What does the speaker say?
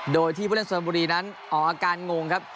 โดยที่ผู้เล่นส่วนบุรีนั้นออกอาการงงครับ